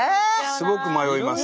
すごく迷います。